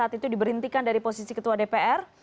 setia novanto diberhentikan dari posisi ketua dpr